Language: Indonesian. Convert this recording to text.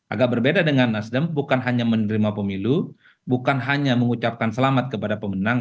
agak berbeda dengan nasdem bukan hanya menerima pemilu bukan hanya mengucapkan selamat kepada pemenang